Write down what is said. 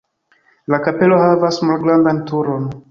La kapelo havas malgrandan turon.